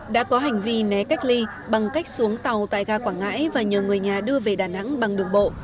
đã có hành vi né cách ly bằng cách xuống tàu tại ga quảng ngãi và nhờ người nhà đưa về đà nẵng bằng đường bộ